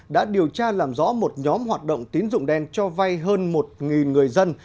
đã điều tra làm rõ một nhóm hoạt động tín dụng đen cho vay hơn một người dân